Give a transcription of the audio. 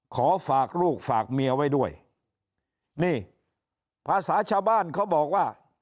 ขอฝากลูกฝากเมียไว้ด้วยนี่ภาษาชาวบ้านเขาบอกว่า